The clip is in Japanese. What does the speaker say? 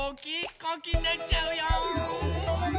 こうきになっちゃうよ！